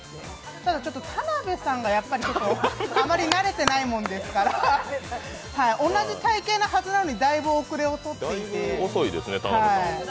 ただ、ちょっと田辺さんがあまり慣れてないもんですから同じ体型のはずなのに、だいぶ遅れをとっていて。